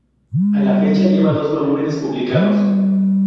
A la fecha, lleva dos volúmenes publicados.